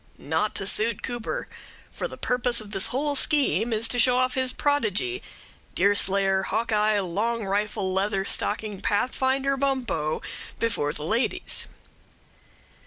Not to suit Cooper; for the purpose of this whole scheme is to show off his prodigy, Deerslayer Hawkeye Long Rifle Leather Stocking Pathfinder Bumppo before the ladies.